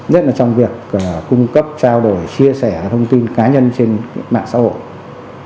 nhất là trong việc cung cấp trao đổi chia sẻ thông tin cá nhân trên mạng xã hội